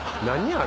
あれ。